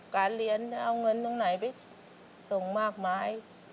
การเรียนจะเอาเงินตรงไหนไปส่งมากมาย